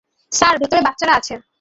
Sir, ভেতরে বাচ্চারা আছে।